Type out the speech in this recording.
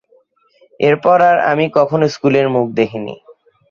এরপর আর আমি কখনো স্কুলের মুখ দেখিনি।